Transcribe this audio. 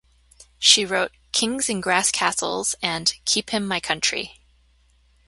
She wrote "Kings in Grass Castles" and "Keep Him My Country".